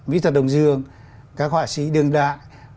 mỹ thật đông dương các họa sĩ đương đại